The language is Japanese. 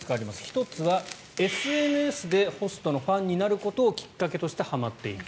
１つが、ＳＮＳでホストのファンになることをきっかけにしてはまっていく。